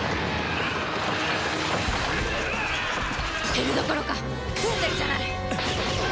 減るどころか増えてるじゃない！